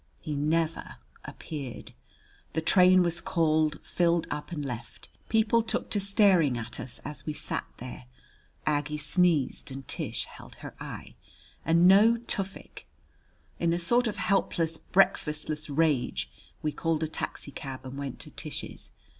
He never appeared! The train was called, filled up, and left. People took to staring at us as we sat there. Aggie sneezed and Tish held her eye. And no Tufik! In a sort of helpless, breakfastless rage we called a taxicab and went to Tish's.